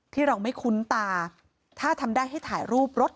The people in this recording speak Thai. ที่เราไม่คุ้นตาถ้าทำได้ให้ถ่ายรูปรถ